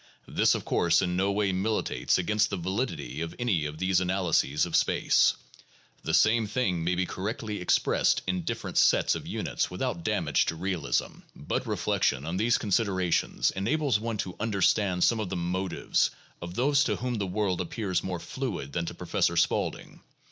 This, of course, in no way militates against the validity of any of these analyses of space. The same thing may be correctly expressed in different sets of units without damage to realism. But reflection on these consider ations, enables one to understand some of the motives of those to whom the world appears more fluid than to Professor Spaulding.